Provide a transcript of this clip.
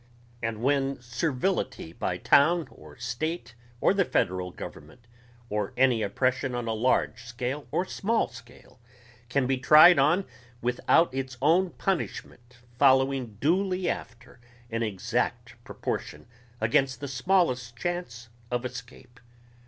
and when servility by town or state or the federal government or any oppression on a large scale or small scale can be tried on without its own punishment following duly after in exact proportion against the smallest chance of escape